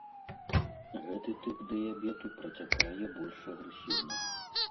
Гэты тып дыябету працякае больш агрэсіўна.